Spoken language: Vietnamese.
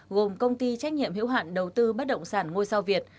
gồm công ty trách nhiệm hữu hạn đầu tư bất động sản ngôi sao việt